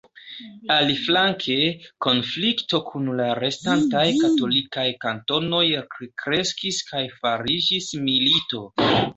Aliflanke, konflikto kun la restantaj katolikaj kantonoj kreskis kaj fariĝis milito.